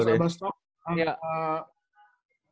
sukses terus ya bastog